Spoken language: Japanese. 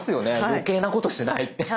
余計なことしないって。